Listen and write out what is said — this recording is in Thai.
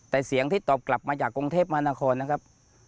แต่เสียงที่ตอบกลับมาจากกรุงเทพมหานครนะครับ